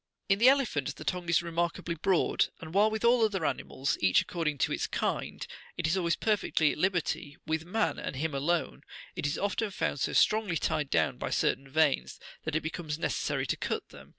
In the elephant the tongue is remark ably broad ; and while with all other animals, each according to its kind, it is always perfectly at liberty, with man, and him alone, it is often found so strongly tied down by certain veins, that it becomes necessary to cut them.